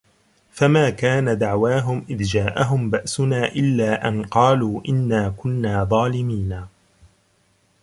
فَمَا كَانَ دَعْوَاهُمْ إِذْ جَاءَهُمْ بَأْسُنَا إِلَّا أَنْ قَالُوا إِنَّا كُنَّا ظَالِمِينَ